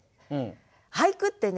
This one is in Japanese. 俳句ってね